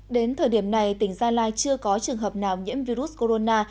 đến thời điểm này tỉnh gia lai chưa có trường hợp nào nhiễm virus corona